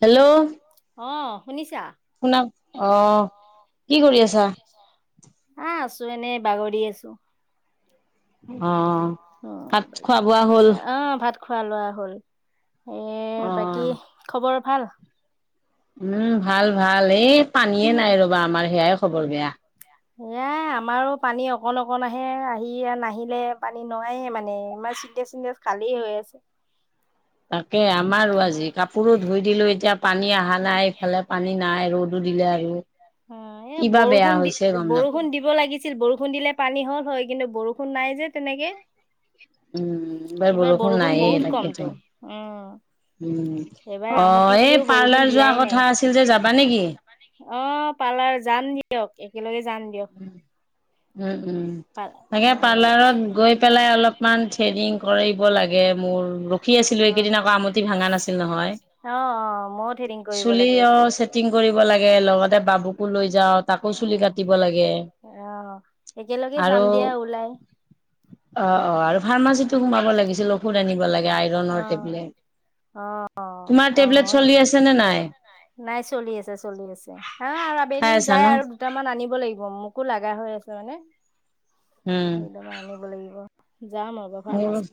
Hello অ শুনিছো শুনা অ কি কৰি আছা আহ আছো এনেই বাগৰি আছো অ ভাত খোৱা বোৱা হ'ল অ ভাত খোৱা লোৱা হ'ল অ এ বাকী খবৰ ভাল? উম ভাল ভাল এই পানীয়ে এই নাই ৰবা আমাৰ সেয়াই খবৰ বেয়া এয়াই আমাৰো পানী অকণ অকণ আহে আহি নাহিলে পানী নোৱায়ে মানে আমাৰ চিন্তা চিডা খালী হৈ আছে তাকে আমাৰো আজি কাপোৰো ধুই দিলো এতিয়া পানী অহা নাই ইফালে পানী নাই ৰ'দো দিলে আৰু অ এ কিবা বেয়া বৰষুণ দি হৈছে গম নাপাওঁ বৰষুণ দিব লাগিছিল বৰষুণ দিলে পানী হল হয় কিন্তু বৰষুণ বৰষুণ নাই যে তেনেকে এইবাৰ বৰষুণ বহুত কমটো উম উ এইবাৰ অ আমতি এই বুলিও বৰষুণ পাৰ্লাৰ যোৱা দিয়াই নাই কথা আছিল যে যাবা নেকি? অ পালাৰ যাম দিয়ক একেলগে যাম দিয়ক উম উম পাল তাকে অ' মানে পাৰ্লাৰত গৈ পেলাই অলপমান থেডিং কৰিব লাগে মোৰ ৰখি আছিলো অ এইকেইদিন আকৌ আমঠি ভাঙা নাছিল নহয় অ অ মই থেডিং কৰিব চুলি লাগে অ ছেটিং কৰিব লাগে লগতে বাবুকো লৈ যাও তাকো চুলি কাটিব লাগে অ' অ' একেলগে যাম আৰু দিয়া ওলাই অ অ আৰু ফাৰ্মাচীটো সোমাব লাগিছিল ঔষধ আনিব লাগে আইৰনৰ অ' টেবলেট। অ' তোমাৰ আৰু টেবলেট মই চলি আছে নে নাই নাই চলি আছে চলি আছে হা আৰু খাই আবেলি আছা যাই ন আৰু দুটামান আনিব লাগিব মোকো লগা হৈ আছে মানে উম সদম আনিব লাগিব যাম আৰুব মোৰ ফাৰ্মাচী।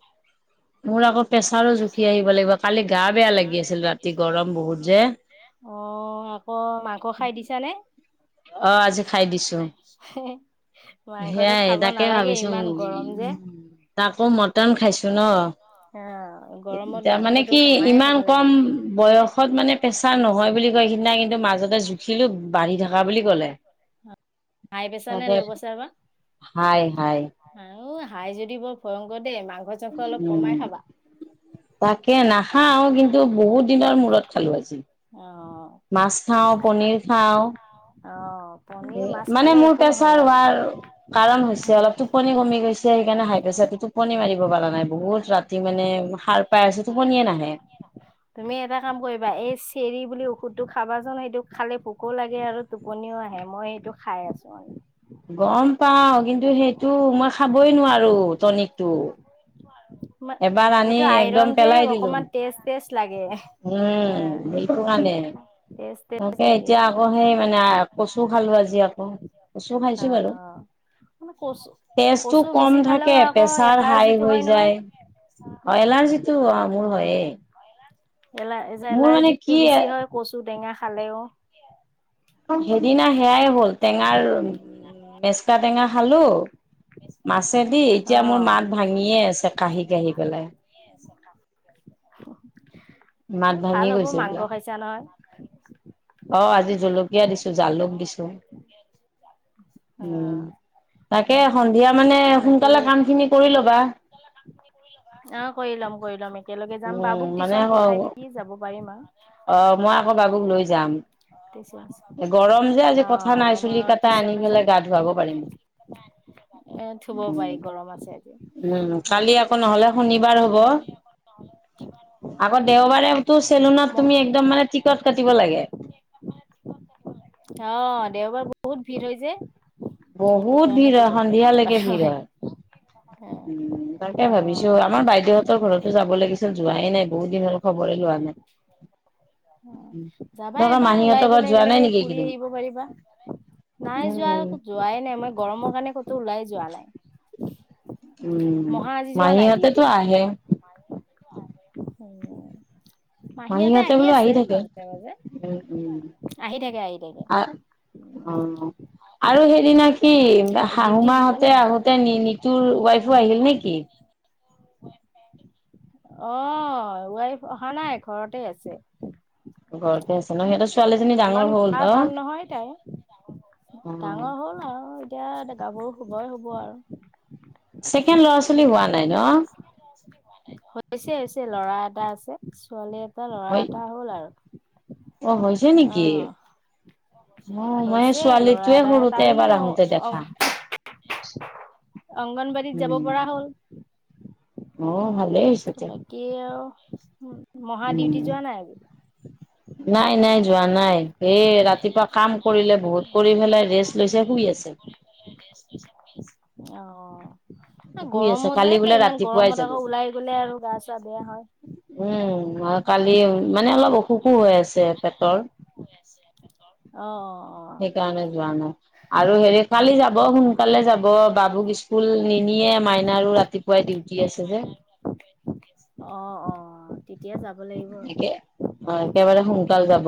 মোৰ আকৌ প্ৰেছাৰো জুখি আহিব লাগিব কালি গা বেয়া লাগি আছিল ৰাতি গৰম বহুত যে। অ আকৌ মাংস খাই দিছানে আহ আজি খাই দিছো মাংসটো সেইয়াই খাব তাকে নালাগে ভাবিছো। ইমান গৰম যে তাকো মটন খাইছো ন অ গৰমত এতিয়া মানে মাংসটো কি কমায়ে ইমান খাব লাগে। কম বয়সত মানে প্ৰেছাৰ নহয় বুলি কয় সিদিনা কিন্তু মাজতে জুখিলো বাঢ়ি থাকে কা বুলি ক'লে। হাই প্ৰেছা নে তাকে ল' প্ৰেছাৰ বা হাই হাই আৰু হাই যদি বৰ ভয়ংকৰ। দেই মাংস চাংস অলপ কমাই খাবা তাকে নাখাও কিন্তু বহুত দিনৰ ম। খালো আজি অ। মাছ খাওঁ পনীৰ খাওঁ। অ পনীৰ মাছ মানে খালে মোৰ একো নহয় প্ৰেচাৰ বাৰু। হোৱাৰ কাৰণ হৈছে অলপ টোপনি কমি গৈছে সেইকাৰণে হাই। তাৰ পিছটো টোপনি মাৰিব পৰাাৰা নাই বহুত ৰাতি মানে সাৰ পাই আছো টোপনিয়ে নাহে। তুমি এটা কাম কৰিবা এই চেৰি বুলি ঔষধটো খাবা জান সেইটো খালে ভোকো লাগে আৰু টোপনি আহে মই এইটো খাই আছো আৰু গম পাও কিন্তু সেইটো মই খাবই নোৱাৰো টনিকটো এবাৰ আনি সেইটো একদম আইৰন যে পেলাই দিলো অকমান তেজ তেজ লাগে উম অ মটো কাৰনে টেষ্ট টেষ্ট তকে লাগে এতিয়া অকমান আকৌ অ সেই মানে কচু খালো আজি আকৌ কচু খাইছো বাৰু মানে কচু তেজটো কচু বেছি কম খালেও থাকে আকৌ প্ৰেচাৰ হাই এলাৰ্জিটো হয় হৈ নহয় যায় অলাৰজিটো অমল হয়ে এলাই মোৰ জলাই মানে যিটো কি বেছি হয় কচু টেঙা খালেও সেইদিনা সেয়াই হ'ল টেঙাৰ উ মেচকা টেঙা খালো মাছেদি অ এতিয়া মোৰ মাত ভাঙিয়ে আছে কাঢ়ি কাঢ়ি পেলাই মাত ভাল ভাঙি হ'ব গৈছে মাংস পুৰা খাইছা নহয় অ আজি জলকীয়া দিছো জালুক দিছো। অ উ তাকে সন্ধিয়া মানে বাকী সোনকালে কাম খিনি কৰি ল'বা। অ কৰি ল'ম কৰি ল'ম একেলগে যাম উম বাবুক মানে টিউশন পঠাই দি যাব পাৰিম আৰু অ মই আকৌ বাবুক লৈ যাম। টিউচন গৰম যে অ আজি কথা নাই চুলি আমাৰ কটাই টিউচন আনি আছে পেলাই গা ধুৱাব পাৰিম এ থব উম পাৰি গৰম আছে আজি কালি আকৌ নহলে শনিবাৰ হ'ব অ [inaudible] আকৌ দেওবাৰেতো উম। চেলুনত অ তুমি একদম মানে টিকট কাটিব লাগে অ দেওবাৰ বহুত ভিৰ হয় যে বহুত সেইকাৰণে ভিৰ হয় টিকট কাটিব সন্ধিয়ালৈকে লগা ভিৰ হয় উম তাকে অ অ ভাবিছো আমাৰ বাইদেউ ঘৰতো যাব লাগিছিল যোৱাই নাই বহুত দিন হ'ল খবৰে লোৱা নাই যাবা তহঁতৰ এবাৰ মাহীহঁতৰ ওলাই ঘৰত গলে যোৱা নাই একেলগে নেকি ফুৰি এইকেইদিন? আহিব পাৰিবা নাই যোৱা উম। যোৱাই নাই মই গৰমৰ কাৰণে ক'তো ওলাই যোৱা নাই উম মহা আজি যোৱা নাই ডিউটি মাহীহঁতেতো আহে মাহী হঁতে মাহীহঁতে আহি বোলো আছে থাকে। মাজে মাজে উম, উম। আহি থাকে আহি থাকে আ অ আৰু সেইদিনা কি ডিউটি শাহুমাহঁতে নাই আহোতে নিতুৰ ৱাইফো আহিল নে কি আহ ৱাইফ অহা নাই ঘৰতে আছে। ঘত ইমান গা ভাল নহয় তাই অ'। ডাঙৰ হ'ল আৰু এতিয়া গাভৰু হবই হব আৰু ছেকেণ্ড ল'ৰা ছোৱালী হোৱা নাই ন হৈছে হৈছে ল'ৰা এটা আছে ছোৱালী এটা ল'ৰা হয় এটা হ'ল আৰু অ হৈছে নেকি অ অ মই হৈছে ল'ৰা ছোৱালীটোৱে এটাই তাৰ সৰুোতে ই এবাৰ অ আহোতে দেখা অংগনবাডীত যাব পৰা হ'ল। উম [unintelligible] তে, বাকী আৰু মহা ডিউটি উম। যোৱা নাই আজি নাই নাই যোৱা নাই এই ৰাতিপুৱা কাম কৰিলে বহুত কৰি পেলাই ৰেষ্ট লৈছে শুই আছে অ শুই আছে গৰমো যে কালি বোলে ইমান ৰাতিপুৱাই গৰমত যাব আকৌ ওলাই গ'লে আৰু গা চা বেয়া হয় উম কালি মানে অলপ অসুখো হৈ আছে পেটৰ অ অ সেইকাৰণে যোৱা নাই আৰু হেৰি কালি যাব যাব সোনকালে যাব বাবুক স্কুল নিনিয়ে মাইনা আৰু ৰাতিপুৱাই ডিউটি আছে যে অ অ অ তেতিয়া যাব লাগিব একে অ একেবাৰে সোনকাল যাব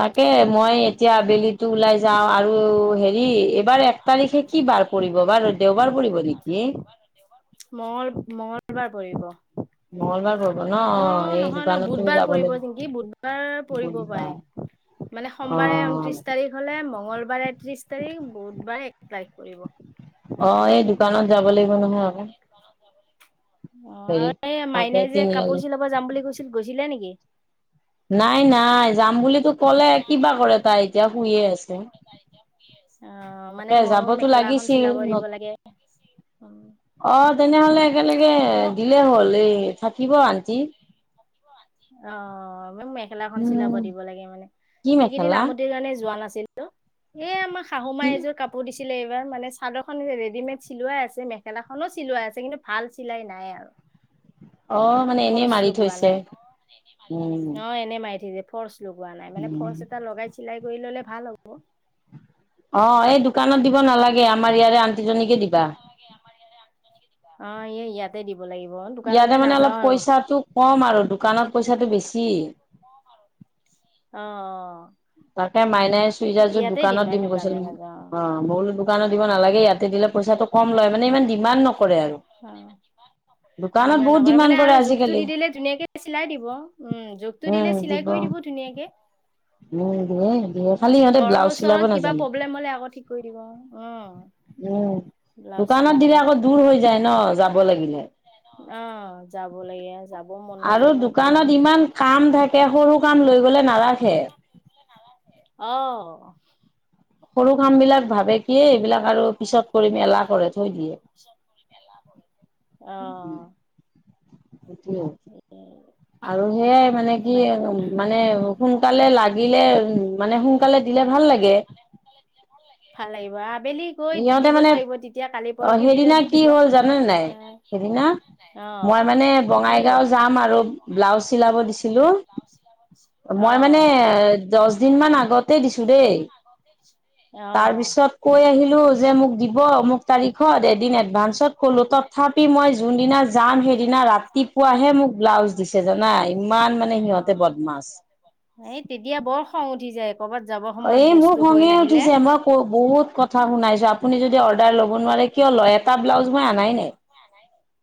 তাকে মই এতিয়া আবেলিটো ওলাই যাওঁ আৰু হেৰি এইবাৰ একটা এক তাৰিখে কি বাৰ পৰিব বাৰু দেওবাৰ পৰিব নেকি মঙল মঙলবাৰ পৰিব মঙ্গলবাৰ পৰিব ন অ অ এই নহয় নহ দোকানতো বুধবাৰ যাব পৰিব চিংকি বুধবাৰ পৰিব লাগিব পাৰে মানে অ সোমবাৰে ঊনত্ৰিশ তাৰিখ হলে মংগলবাৰে ত্ৰিশ তাৰিখ বুধবাৰে এক তাৰিখ পৰিব অ এই দোকানত যাব লাগিব নহয় আকৌ অ হেৰি আৰু এই তাকে মাইনাই যে তিনিআলি কাপোৰ চিলাব যাম বুলি কৈছিল গৈছিলে নেকি নাই নাই যাম বুলিতো ক'লে কিবা কৰে তাই এতিয়া শুইয়ে আছে অ মানে তাকে য যাব ময়ো তো মেখেলা এখন লাগিছিল চিলাব দিব লাগে অ তেনেহলে একেলগে ম দিলে হ'ল এই থাকিব আন্টি অ মেখেলাখন চিলাব উম দিব লাগে মানে কি এইকেইদিন মেখেলা আমঠিৰ কাৰণে যোৱা নাছিল এ আমাৰ শাহু কি মায়ে এযোৰ কাপোৰ দিছিল ছিলে এইবাৰ মানে চাদৰ খন ৰেডিমেড চিলাই আছে মেখেলাখনো চিলাই আছে কিন্তু ভাল চিলাই নাই আৰু [inaudible] অ'! মানে, এনেই ফৰ্চ মাৰি লগোৱা থৈছে। উম! [unintelligible] ফলচ লগোৱা নাই। মানে, উম ফলচ এটা লগাই চিলাই কৰি ল'লে ভাল হ'ব। অ'! সেইটো দোকানত দিব নালাগে, আমাৰ ইয়াৰে আন্তি জনীকে দিবা। অ'! এই ইয়াতে দিম। ইয়াতে মানে, অলপ পইচাটো কম আৰু। দোকানত পইচাটো বেছি। অ'! অ'! তাকে মাইনাই চুইজাৰযোৰ ইয়াতে দোকানত আৰু দিম কৈছিল। দোকানলৈ নাযাও অ'! মই ক'লো দোকানত দিব নালাগে। ইয়াতে দিলে পইচাটো কম লয়। মানে, ইমান ডিমাণ্ড ন হয়। দোকানত ডিমাণ্ড বহুত নকৰে কৰে আৰু জোখটো আজিকালি দি দিলে, ধুনীয়াকে চিলাই দিব। উম, জোখটো দিলে চিলাই কৰি দিব। ধুনীয়াকে। দিয়ে উম, দিয়ে খালি সিহঁতে ব্লাউজ ঘৰৰ চিলাব ওচৰত কিবা নাজানে প্ৰব্লেম হ'লে আকৌ ঠিক কৰি দিব। উম! উম, ব্লাউজ দোকানত চিলাব দিলে আকৌ নাজানে দূৰ হৈ যায়। ন যাব লাগিলে। অ'! যাব লাগে। যাব মন আৰু নাযায় ইমান গৰম দোকানত ইমান কাম থাকে, সৰু কাম লৈ গ'লে নাৰাখে। অ'! সৰু কাম বিলাক ভাবে কি, এইবিলাক আৰু পিছত কৰিম, এলাহ কৰে থৈ দিয়ে। অ'! কিয়? এ, আৰু সেয়াই মানে, কি বাক মানে, সোনকালে লাগিলে উম! মানে, সোনকালে দিলে ভাল লাগে। ভাল লাগিব [unintelligible] আবেলি গৈ দি ইহঁতে দিব মানে লাগিব। তেতিয়া, কালি, অ পৰহিৰ ভিতৰত সেইদিনা দি কি দিব। হ'ল জানে নাই সেইদিনা মই অ', মানে, কি বঙাইগাঁও হ'ল? যাম আৰু ব্লাউজ চিলাব দিছিলোঁ। মই মানে, অ', দহ দিন মান আগতে দিছোঁ। দেই। অ'। অ'। তাৰপিছত, কৈ আহিলোঁ যে, মোক দিব মোক তাৰিখত। এদিন এডভান্স পাছত ক'লো তথাপি মই যোনদিনা যাম, সেইদিনা ৰাতিপুৱাহে মোক ব্লাউজ দিছে জানা। ইমান মানে, সিহঁতে বদমাছ। এই তেতিয়া বৰ খং উঠি যায় কৰ'বাত যাব সময়ত এই, মোৰ বস্তু হৈ খঙে নাহিলে। উঠিছে। মই ক বহুত কথা অ', শুনাইছোঁ। আপুনি যদি অৰ্ডাৰ ল'ব নোৱাৰে কিয় লয়। এটা ব্লাউজ মই আনাই নাই।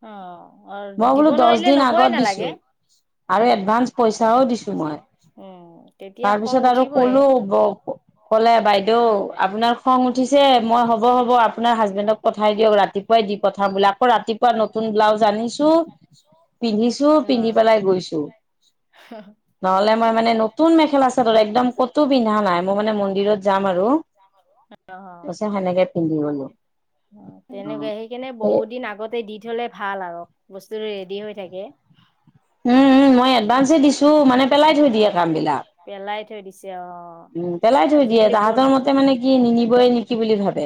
অ'! মই বোলো দিব দহ নোৱাৰিলে দিন লবই আগত দিছো নালাগে। আৰু উম! এডভান্স পইচাও দিছো মই উম, তেতিয়া খং উঠিবই। কৌ, ক'লে বাই বাইদেউ, আপোনাৰ খং উঠিছে। মই হ'ব, হব। আপোনাৰ হাজবেণ্ডক পঠাই দিয়ক, ৰাতিপুৱাই দি কথা বোলা। আকৌ, ৰাতিপুৱা নতুন ব্লাউজ আনিছোঁ। পিন্ধিছো। অহ পিন্ধি পেলাই গৈছোঁ। নহ'লে মই মানে, নতুন মেখেলা চাদৰ একদম ক'তো পিন্ধা নাই। মই মানে, মন্দিৰত যাম আৰু। অ', আছে সেনেকে পিন্ধিবলে। অ'! সেই এই, দি থ'লে ভাল আৰু বস্তু ৰেডি হৈ থাকে। উম, উম, মই এডভাঞ্চে দিছোঁ। মানে, পেলাই থৈ দিয়ে কাম অ', বিলাক। পেলাই থৈ দিছে অ'। উম, এ পেলাই থৈ দিয়ে। আজিকালি বৰ তাহাঁতৰ মতে মানে, কি নিনিবই নেকি বুলি ভাবে।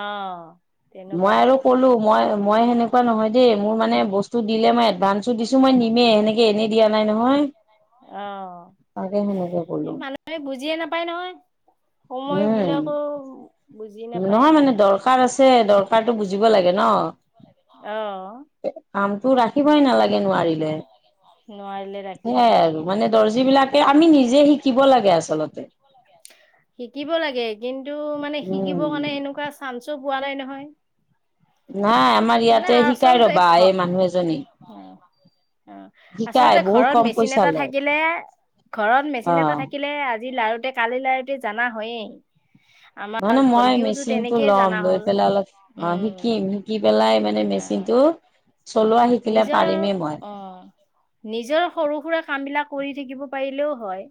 অ', মই তেনেকুৱাই আৰু ক'লো মই, মই সেনেকুৱা নহয় দেই। মোৰ মানে, বস্তু দিলে মই এডভাঞ্চো দিছোঁ। মই নিমেই, সেনেকে এনেই দিয়া নাই নহয়। অ'! তাকে সেনেকে এই, কলো মানুহে বুজিয়ে নাপায় নহয়। সময় উম বিলাকো বুজি নেপায় যে দৰকাৰতটো বুজিব লাগে ন অহঅঁ কামতটো ৰাখিবই নালাগে নোৱাৰিলে। নোৱাৰিলে ৰাখিবই সেইয়াই নালাগে আৰু মানে দৰ্জি বিলাকে আমি উম নিজে শিকিব লাগে আচলতে শিকিব লাগে কিন্তু মানে শিকিবৰ উম কাৰণে এনেকুৱা চান্সও পোৱা নাই নহয়। নাই আমাৰ মানে ইয়াতে শিকাই আচলতে ৰবা এই মানুহ এজনী অঁ শিকাই আচলতে বহুত ঘৰত কম মেচিন পইচা এটা লয় থাকিলে ঘৰত অ মেচিন এটা থাকিলে। আজি লাৰুতে কালিৰ জাননা হয়য়ে মানে মই মেচিনটো ল'ম জানা লৈ হ'ল পেলাই অলপ অঁ উম শিকিম শিকি। পেলাই মানে অ মেচিন টো। নিজৰ অঁ নিজৰ সৰু সুৰা কাম বিলাক কৰি থাকিব পাৰিলেও হয়।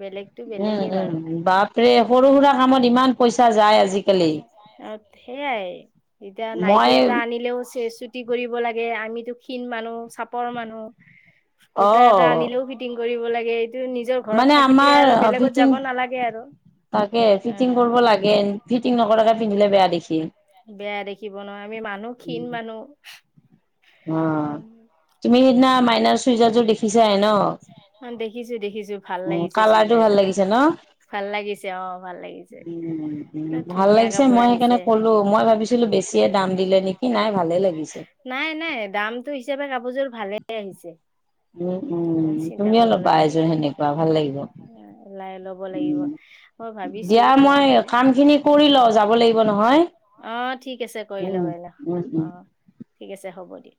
বেলেগতো উম বেলেগেই উম বাৰু বাপৰে সৰু সৰু কামত ইমান পইচা যায় আজি অঁ সেইয়াই এতিয়া নাইটি মই এটা আনিলেও তে চুটি। চুতি কৰিব লাগে আমিতো ক্ষীণ মানুহ চাপৰ মানুহ। অ কুৰ্তা এটা আনিলেও ফিটিং কৰিব লাগে। নিজৰ ঘৰত মানে থাকিলে আমাৰ আৰু বেলেগত ফিটিং যাব নালাগে আৰু তাকে অ ফিটিং কৰিব লাগে। ফিটিং নকৰাকে পিন্ধিলে বেয়া দেখি। বেয়া দেখিব নহয় আমি মানুহ ক্ষীণ। অঁ তুমি সিদিনা মাইনাৰ চুইজাৰযোৰ দেখিছাই ন। অঁ দেখিছোঁ দেখিছোঁ। উম কালাৰটো ভাল লাগিছে ন। ভাল লাগিছে অ ভাল লাগিছে উম, উম, এ ভাল ধুনীয়া লাগিছে কাপোৰ মই সেইকাৰণে আহিছে। ক'লো মই ভাবিছিলোঁ বেছিয়ে দাম দিলে নেকি নাই। ভালে লাগিছে। নাই নাই দামটো হিচাপে কাপোৰযোৰ ভালে আহিছে। উম ইমান উম চিন্তা তুমিও কৰিব ল'বা লগা নাই এযোৰ লবা সেনেকুৱা ভাল লাগিব। লাই ল'ব লাগিব মই ভাবিছোয়ে দিয়া ল'ম মই বুলি কাম খিনি কৰি লওঁ যাব লাগিব নহয়। অঁ ঠিক আছে কৰি উম, লোৱা কৰি লোৱা উম, উম। অঁ ঠিক আছে হ'ব দিয়া।